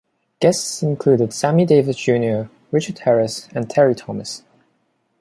Guests included Sammy Davis Junior Richard Harris and Terry-Thomas.